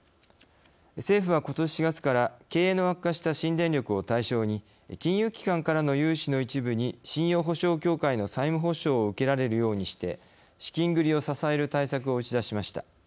政府は、ことし４月から経営の悪化した新電力を対象に金融機関からの融資の一部に信用保証協会の債務保証を受けられるようにして資金繰りを支える対策を打ち出しました。